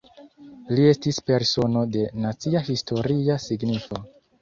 Li estis "Persono de Nacia Historia Signifo".